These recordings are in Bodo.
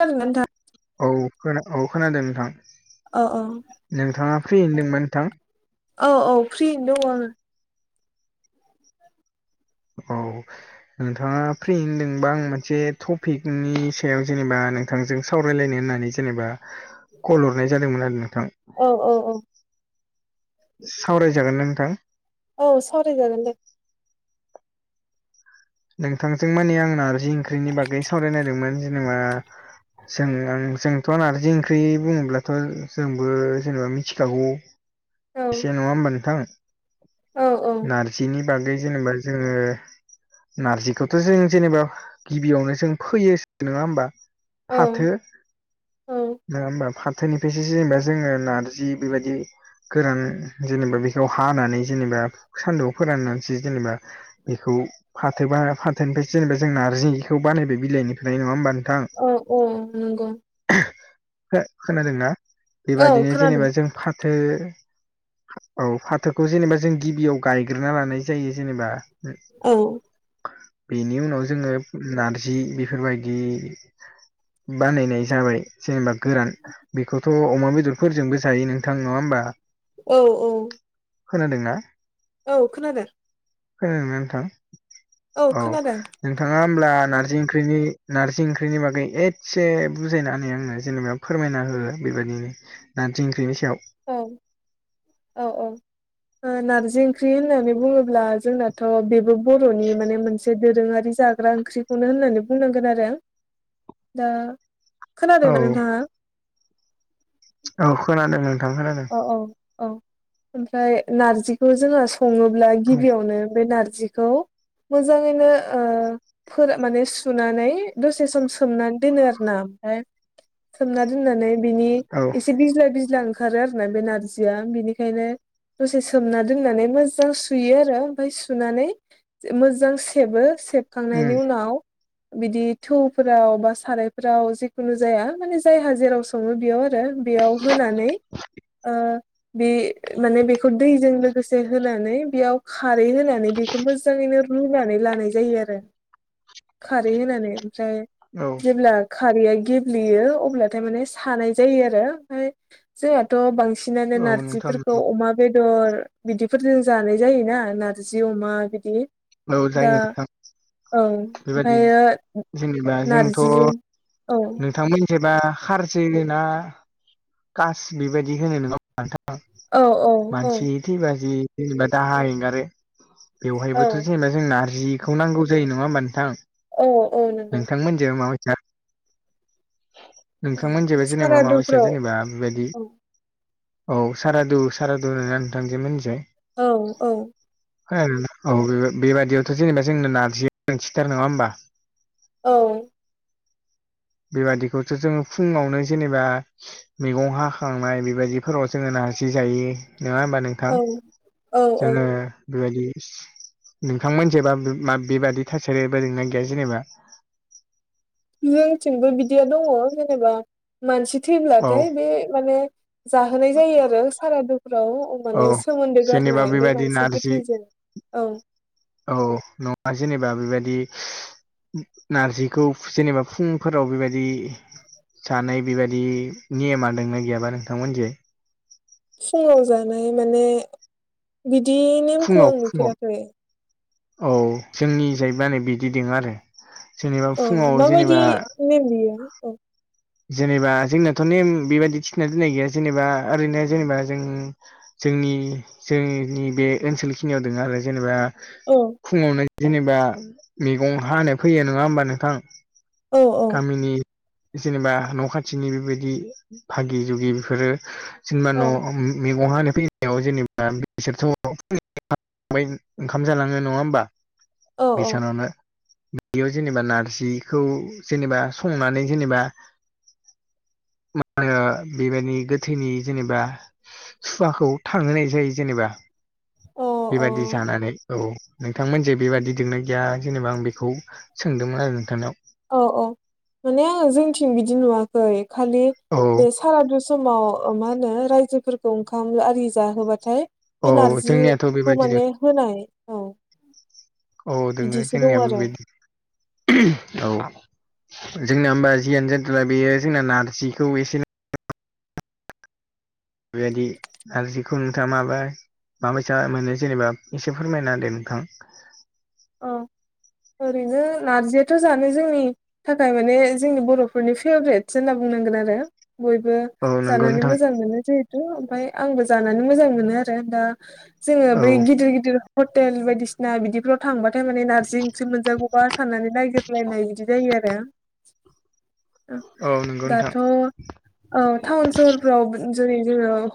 खोनादों ना नोंथां [unintelligible] औ खोना औ खोनादों नोंथां। औ औ नोंथाङा फ्रि होन होनदोंमोन नोंथां? औ औ फ्रियैनो दङ आङो। औ नोंथाङा फ्रियैनो दोंबा आं मोनसे टपिकनि सायाव जेनेबा नोंथांजों सावरायलायनो होननानै जेनेबा कल हरनाय जादोंमोन आरो नोंथां औ औ औ सावरायजागोना नोंथां? औ सावरायजागोन दे। नोंथांजों मानि आं नारजि ओंख्रिनि बागै सावरायनो नायदोंमोन जेनेबा जों जोंथ' नारजि ओंख्रि बुङोब्लाथ' जोंबो जेनेबा मिथिखागौ [unintelligible] औ एसे नङा होमबा नोंथां औ औ नारजिनि बागै जेनेबा जोङो नारजिखौथ' जों जेनेबा गिबियावनो जों फैयो नङा होमबा औ फाथो औ नङा होमबा फाथ। थोननिफ्रायसो जेनेबा जोङो नारजि बेबायदि गोरान जेनेबा बेखौ हानानै जेनेबा सान्दुंआव फोराननानैसो जेनेबा बेखौ फाथो बा फाथोनिफ्राय जेनेबा जों नारजिखौ बानायबाय बिलाइनिफ्राय नङा होनबा नोंथांं। औ औ नंगौ‌। खोनादों ना औ बेबादिनो खोनादों जेनेबा जों फाथो औ फाथोखौ जेनेबा जों गिबियाव गायग्रोना लानाय जायो जेनेबा औ बेनि उनाव जोङो नारजि बेफोरबायदि बानायनाय जाबाय जेनेबा गोरान बेखौथ' अमा बेदरफोरजोंबो जायो नोंथां नङा होमबा। औ औ खोनादों ना? औ खोनादों। खोनादों ना नोंथां औ। नोंथाङा होमब्ला नारजि ओंख्रिनि नारजि ओंख्रिनि बागै एसे बुजायनानै बुजायना हो आंनो जेनेबा फोरमायना होयो बेबायदिनो नारजि ओंख्रिनि सायाव। औ औ औ ओ नारजि ओंख्रि होननानै बुङोब्ला अब्ला जोंनाथ' बेबो बर'नि माने मोनसे दोरोङारि जाग्रा ओंख्रिखौनो होननानै बुंनांगोन आरो। दा औ खोनादोंमोन नोंथाङा? औ खोनादों नोंथां खोनादों। अ अ ओमफ्राय नारजिखौ जोङो सङोब्ला बुं गिबियावनो बे नारजिखौ मोजाङैनो ओ फोरान माने सुनानै दसे सम सोमनानै दोनो आरोना ओमफ्रायहाय सोमना दोननानै बिनि औ एसे बिज्ला बिज्ला ओंखारो आरोना बे नारजिया बेनिखायनो दसे सोमना दोननानै मोजां सुयो आरो ओमफ्राय सुनानै मोजां सेबो उम सेबखांनायनि उनाव बिदि थौफोराव बा सारायफोराव जिखुनु जाया माने जायहा जेराव सङो बेयाव आरो बेयाव होनानै ओ बे माने बेखौ दैजों लोगोसे होनानै बेयाव खारै होनानै बे खौ मोजाङैनो रुनानै लानाय जायो आरो खारै होनानै ओमफ्राय औ जेब्ला खारैया गेब्लेयो अब्लाथाय माने सानाय जायो आरो ओमफ्राय जोंहाथ' बांसिनानो औ नोंथां नारजिफोरखौ अमा बेदर बिदिफोरजों जानाय जायोना नारजि अमा बिदि औ दा जायो नोंथां। औ बेबायदि ओमफ्रायो जेनेबा जोंथ' नारजिजों औ नोंथांमोननि जेबा खारजोना कास बेबायदि होनो नङा होनबा नोंथां। औ औ औ मानसि थै बाजि जेनेबा दाहा एंगारो बेवहाय औ थ' जेनेबा जों नारजिखौ नांगौ जायो नङा ओमबा नोंथां औ औ नंगौ नोंथांमोनजों माबायदिया औ नोंथांमोननिजोंबो जेनेबा मा बायसा सारादुफ्राव जेनेबा बेबायदि औ औ सारादु सारादु होनोना नोंथांजो मोननिजों। औ औ [inaudible] औ बेबायदियावथ' जेनेबा जोंनो नारजिया गोनांथिथार नङा ओमबा। औ बेबादिखौथ' जोङो फुङावनो जेनेबा मैगं हाखांनाय बेबायदिफोराव जोङो नारजि जायो नङा ओमबा नों औ थां औ औ जोङो बेबायदि नोंथांमोनिजायबा मा बेबादि थासारिबो दोंना गैया जेनेबा? जोंथिंबो बिदिया दङ जेनेबा मानसि औ थैब्लाथाय बे माने जाहोनाय जायो आरो सारादुफ्राव औ माने सोमोन्दो जेनेबा गारनाय बे बेबायदि मानसि नारजि गोथैजों औ औ नङा जेनेबा बेबायदि नारजिखौ जेनेबा फुंफोराव बेबायदि जानाय बेबायदि नियमा दोंना गैयाबा नोंथांमोननिजै फुङाव जानाय माने बिदि नेमखौ फुङाव आं फुङाव नुफेराखै औ जोंनि जायबा बिदि दोङो आरो। जेनेबा औ फुङाव माबायदि जेनेबा नेम गैया आक' जेनेबा जोंनियाथ' नेम बेबायदि थिना दोननाय गैया जेनेबा ओरैनो जेनेबा जों जोंनि जोंनि बे ओनसोलखिनियाव दोङो आरो जेनेबा औ फुङावनो जेनेबा मेगं हानो फैयो नङा ओमबा नोंथां औ औ गामिनि जेनेबा न' खाथिनि बेबायदि भागि जुगि बेफोरो सोरनिबा न'आव औ मैगंहानो फै जेनेबा बिसोरथ' ओंखाम जालाङो नङा होमबा औ बेसानावनो बेयाव जेनेबा नारजिखौ जेनेबा संनानै जेनेबा मा होनो बेबायदि गोथैनि जेनेबा सुवाखौ थांहोनाय जायो जेनेबा औ अ बेबायदि अ जानानै औ नोंथांमोन जे बेबादि लंनाय गैया जेनेबा आं बेखौ सोंदोंमोन आरो नोंथांनाव औ औ माने आङो जोंथिं बिदि नुवाखै खालि औ बे सारादु समाव मा होनो रायजोफोरखौ ओंखाम आरि जाहोब्लाथाय औ बे जोंनियाथ' नारजिखौ बेबायदिनो माने होनाय औ औ दोङो बिदिसो दं जोंनियाबो आरो बेबायदि औ जोंना होमबा जियानो जा जादोंला बेयो जोंना नारजिखौ एसे बेबायदि नारजिखौ नोंथाङा माबाय माबैसा मोनो जेनेबा एसे फोरमायना होदो नोंथां अ ओरैनो नारजियाथ' जानो जोंनि थाखाय माने जोंनि बर'फोरनि फेभरेटसो होनना बुंनांगोन आरो बयबो औ नंगौ जानानै नोंथां मोजां मोनो जिहेथु ओमफ्राय आंबो जानानै मोजां मोनो आरो दा जोङो औ बै गिदिर गिदिर हटेल बायदिसिना बिदिफोराव थांबा थाय माने नारजि ओंख्रि मोनजागौबा साननानै नायगिरलायनाय बिदि जायो आरो औ नंगौ नोंथां दाथ' औ टाउन सहरफ्राव जेरै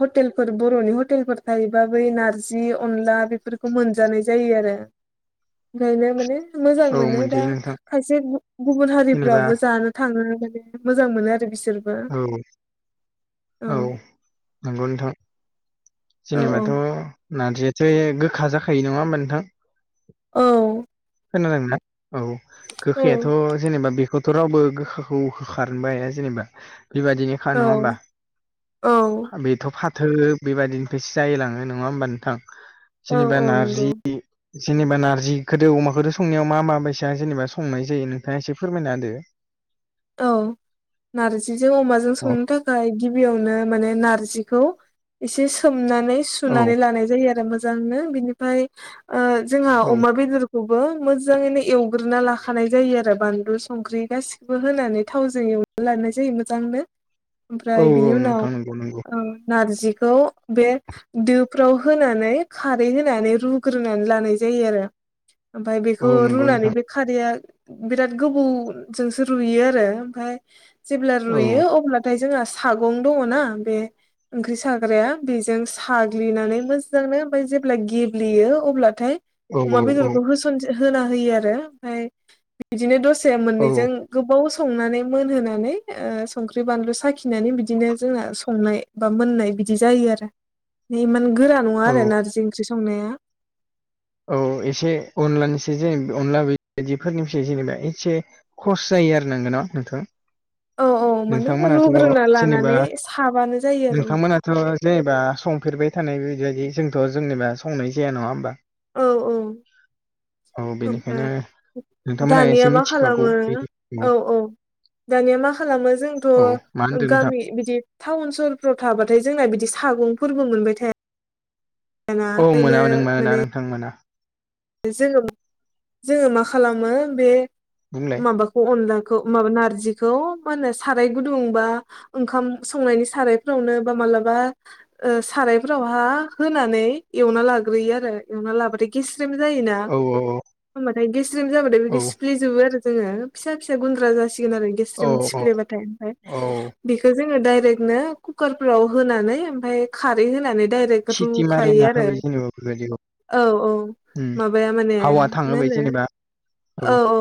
हटेलफोर बर'नि हटेलफोर जायोबा बै नारजि अनला बेफोरखौ मोनजानाय जायो आरो ओंखायनो माने मोजां औ मोनो दा मोनजायो नोंथां खायसे गुबुन जेनेबा हारिफ्राबो जानो थाङो माने मोजां मोनो आरो बिसोर औ औ नंगौ नोंथां औ जेनेबाथ' नारजियाथ' गोखा जाखायो नङा होमबा नोंथां औ खोनादों ना औ औ गोखैआथ' जेनेबा बेखौ थ' रावबो गोखाखौ खारनोबो हाया जेनेबा बेबायदिनो खा नङा होमबा औ औ बेथ' फार फाथो बेबायदिनिफ्रायसो जायलाङो नङा होमबा नोंथां औ जेनेबा औ नंगौ नारजि जेनेबा नारजिखौदो अमाखौथो संनायाव मा माबायदि जेनेबा संनाय जायो नोंथाङा एसे फोरमायना होदो औ नारजिजों अमाजों औ संनो थाखाय गिबियावनो माने नारजिखौ एसे सोमनानै औ सुनानै लानाय जायो आरो मोजांनो बिनिफ्राय जोंहा ओ औ अमा बेदर खौबो मोजाङैनो एवग्रोना लाखानाय जायो आरो बानलु संख्रि गासि बो होनानै थावजों एवना लानाय जायो मोजांनो औ ओमफ्राय बिनि औ उनाव नोंथां नंगौ नंगौ नारजिखौ बे दोफ्राव होनानै खारै होनानै रुग्रोनानै लानाय जायो आरो ओमफ्राय औ बेखौ नंगौ रुनानै नोंथां बे खारैया बिराद गोबौजोंसो रुयो आरो ओमफ्राय जेब्ला औ रुयो अब्लाथाय जोंहा सागं दङना बे ओंख्रि साग्राया बेजों साग्लिनानै मोजांनो ओमफफ्राय जेब्ला गेब्लेयो अब्लाथाय औ अमा बेदरखौ होसन होना होयो आरो ओमफ्राय बिदिनो दसाया औ मोननैजों गोबाव संनानै मोनहोनानै ओ संख्रि बानलु साखिनानै बिदिनो जोंना संनाय बा मोननाय बिदि जायो आरो बे इमान गोरा नङा औ आरो नारजि ओंख्रि संनाया औ एसे अनलानिसो जेने अनला बिदिफोरनिफ्राय जेनेबा एसे खर्स जायो आरो नोंगौन' नोंथां औ औ माने नोंथांमोनाथ' रुग्रोना जेनेबा लानानै साबानो जायो आरो नोंथांमोना थ' जेनेबा संफेरबाय थानाय बिदिबायदि जोंथ' जेनेबा संनाय जाया नङा होमबा औ औ औ बेनिखायनो ओमफ्राय नोंथांमोना दानिया एसे मा मिथिखागौ खालामो बिदि औ औ दानिया मा खालामो औ मा जोंथ' होनदों नोंथां गामि बिदि टाउन सहरफ्राव थाबाथाय जोंना बिदि सागंफोरबो मोनबाय थाया औ मोना नों मोन मोना माने नोंथां मोना जोङो जोङो मा खालामो बे बुंलाय माबाखौ अनलाखौ माबा नारजिखौ मा होनो साराय गुदुंबा ओंखाम संनायनि सारायफोरावनो बा मालाबा सारायफोरावहा होनानै एवना लाग्रोयो आरो एवना लाबाथाय गेस जायो ना औ बेखौ गेसरेम जाबाथाय औ बेखौ सिफले जोबो आरो जोङो फिसा फिसा गुन्द्रा जासिगोन आरो औ गेस्रेम औ सिफ्लेबाथाय ओमफ्राय औ बेखौ जोङो डायरेक्टनो कुकारफोराव होनानै ओमफ्राय खारै होनानै डाइरेक्ट सिटि रुखायो मारिना आरो होबाय जेनेबा बेबायदिखौ औ औ उम माबाया माने हावा मा थाङोबाय होनो जेनेबा औ औ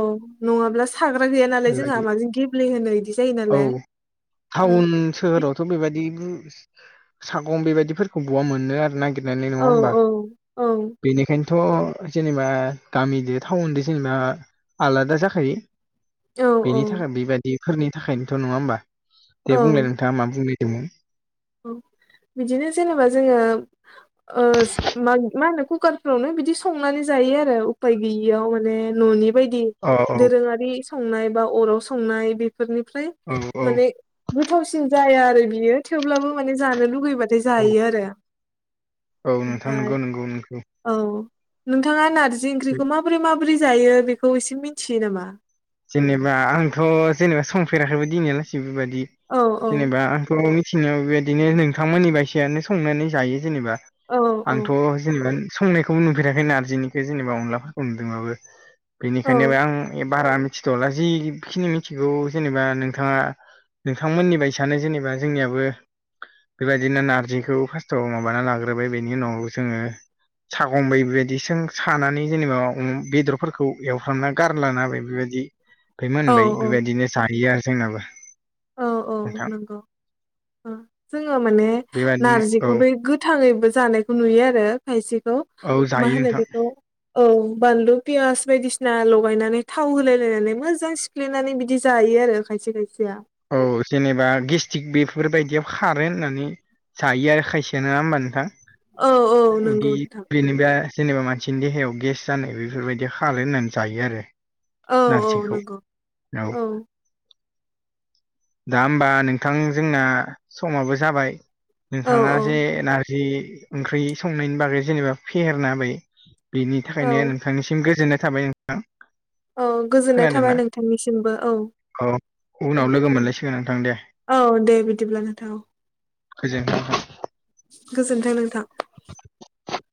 नङाब्ला साग्रा गैया नालाय जोंहा बेबायदि माजों गेब्लेहोनो जायो औ नालाय औ टाउन सोहोराव थ' बेबायदि सागं बेबायदिफोरखौ बहा मोननो आरो नागिरनानै नङा औ होमबा औ बेनिखायनोथ' जेनेबा गामिजों टाउनजों जेनेबा आलादा जाखायो औ औ बेनि थाखाय बेबायदिफोरनि थाखायनोथ' नङा होमबा दे बुंलाय नोंथाङा मा बुंलाय [inaudible] औ बिदिनो जेनेबा जोङो मा होनो कुकारफ्रावनो बिदि संनानै जायो आरो उफाय बैयाव माने न'नि बायदि औ औ दोरोङारि संनाय बा अराव संनाय बेफोरनिफ्राय औ औ माने गोथावसिन जाया आरो बियो थेवब्लाबो माने जानो लुुबैबाथाय औ जायो आरो औ नोंथां ओमफाय नोंगौ नंगौ नोंगौ औ नोंथाङा नारजि ओंख्रिखौ माबोरै माबोरै जायो बेखौ एसे मिन्थियो नामा जेनेबा आंथ' जेनेबा संफेराखैबो दिनैहा लागिसि बेबायदि औ औ जेनेबा आंथ' जोंनियावबो बेबायदिनो नोंथांमोननि बायदियानो संनानै जायो जेनेबा औ आंथ' जेनेबा संनायखौबो नुफेराखै नारजिनिखौ जेनेबा अनलाफोरखौ नुदोंबाबो औ बेनिखायनो आं बारा मिथिथ'ला जिखिनि मिथिगौ जेनेबा नोंथाङा नोंथांमोननि बायदिनो जेनेबा जोंनियाबो बेबायदिनो नारजिखौ फार्स्टाव माबाना लाग्रोबाय बेनि उनाव जोङो सागंबायै बेबायदि सों सानानै जेनेबा बेदरफोरखौ एवफ्रामना गारलाना होबाय बेबायदि ओमफ्राय औ मोनबाय औ बेबायदिनो जाहैयो आरो जोंनाबो औ औ नोंथां नंगौ जोङो माने बेबायदिनो नारजिखौ औ बै गो गोथाङैबो जानायखौ नुयो आरो खायसेखौ औ मा जायो होनो नोंथां बेखौ औ बानलु पियास बायदिसिना लगायनानै थाव होलाय लायनानै मोजां सिफेलेनानै बिदि जायो आरो खायसे खायसेया औ जेनेबा गेस्टिक बेफोरबायदियाव खारो होननानै जायो आरो खायसेआ नङा होमबा औ औ नोंथां नंगौ उदै नोंथां बे बा जेनेबा मानसिनि देहायाव गेस जानाय बेफोरबायदि खारो होननानै जायो आरो औ औ नारजिखौ नंगौ औ दा होमबा नोंथां जोंना समाबो जाबाय औ नोंथाङा औ जे नारजि ओंख्रि संनायनि बागै जेनेबा फेहेरना होबाय बेनि औ थाखायनो नोंथांनिसिम गोजोननाय थाबाय नोंथां। औ गोजोननाय थाबाय नोंथांनिसिमबो औ औ उनाव लोगो मोनलायसिगोन नोंथां दे औ दे बिदिब्ला नोंथां औ गोजोननाय थाबाय [inaudible] गोजोनथों नोंथां। [inaudible]